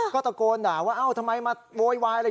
ก็ตะโกนกล่าวว่าทำไมมาโว๊ยวาย